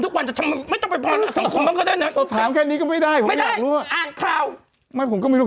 ทุกวันไม่ต้องสังคมแค่นี้ก็ไม่ได้อ่านข่าวไม่ผมก็ไม่รู้